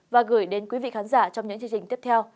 và gửi đến quý vị khán giả trong những chương trình tiếp theo